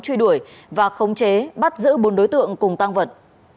truy đuổi và khống chế bắt giữ bốn đối tượng cùng tăng vật